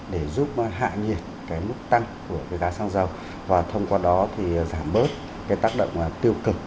để giúp hạ nhiệt mức tăng của giá xăng dầu và thông qua đó giảm bớt tác động tiêu cực